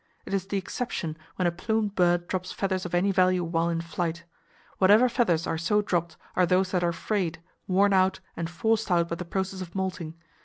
It is the exception when a plumed bird drops feathers of any value while in flight. Whatever feathers are so dropped are those that are frayed, worn out, and forced out by the process of moulting.